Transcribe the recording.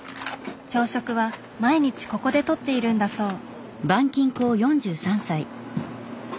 朝食は毎日ここでとっているんだそう。